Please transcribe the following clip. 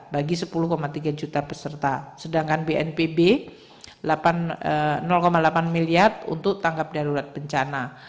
bagi sepuluh tiga juta peserta sedangkan bnpb delapan miliar untuk tangkap darurat bencana